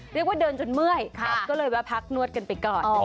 เรียกว่าเดินจนเมื่อยก็เลยแวะพักนวดกันไปก่อน